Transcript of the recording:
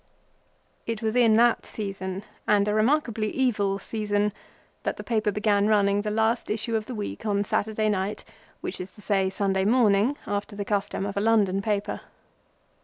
It was in that season, and a remarkably evil season, that the paper began running the last issue of the week on Saturday night, which is to say Sunday morning, after the custom of a London paper.